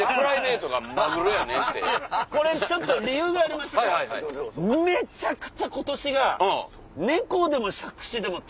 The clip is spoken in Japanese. これちょっと理由がありましてめちゃくちゃ。